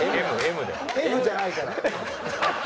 Ｍじゃないから。